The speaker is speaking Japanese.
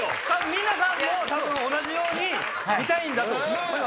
皆さんも多分同じように見たいんだと思います。